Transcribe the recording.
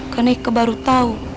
karena ika baru tahu